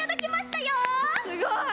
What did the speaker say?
すごい！